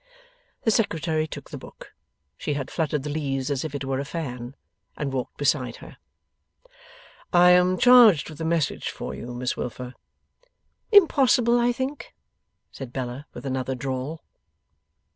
The Secretary took the book she had fluttered the leaves as if it were a fan and walked beside her. 'I am charged with a message for you, Miss Wilfer.' 'Impossible, I think!' said Bella, with another drawl.